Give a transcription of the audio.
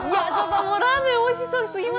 ラーメン、おいしそう！